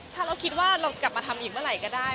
ถ้าเราคิดว่าเรากลับมาทำอีกเมื่อไหร่ก็ได้